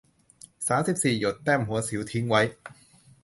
สามสิบสี่ หยด แต้มหัวสิวทิ้งไว้